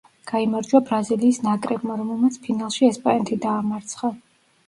გაიმარჯვა ბრაზილიის ნაკრებმა, რომელმაც ფინალში ესპანეთი დაამარცხა.